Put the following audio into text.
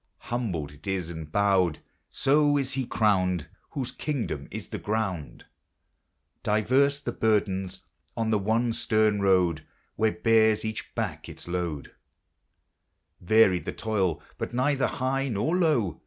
Humbled it is and bowed ; bo is be crowned Whose kingdom is the ground. Diverse the burdens on the one stern road Where bears cadi back its load ; Varied the toil, but neither high nor low.